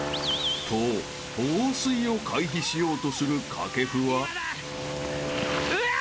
［と放水を回避しようとする掛布は］うわ！